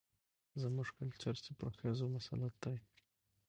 زموږ کلچر چې پر ښځو مسلط دى،